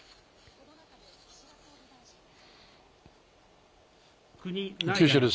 この中で岸田総理大臣は。